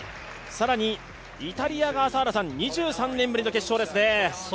更にイタリアが２３年ぶりの決勝ですね。